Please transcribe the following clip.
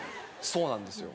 そうなんですよ。